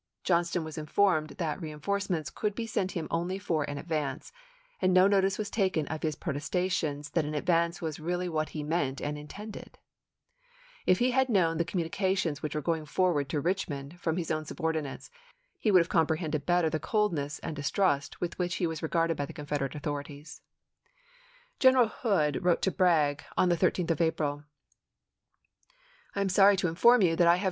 Johnston was informed that reinforcements could be sent to him only for an advance, and no notice was taken of his protestations that an advance was really what he meant and intended. If he had known SHERMAN'S CAMPAIGN TO THE CHATTAHOOCHEE 9 the communications which were going forward to chap.i. Richmond from his own subordinates, he would have comprehended better the coldness and distrust with which he was regarded by the Confederate author ities. General Hood wrote to Bragg on the 13th of April : "I am sorry to inform you that I have isw.